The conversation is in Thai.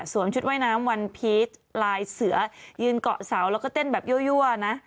ชุดว่ายน้ำวันพีชลายเสือยืนเกาะเสาแล้วก็เต้นแบบยั่วนะ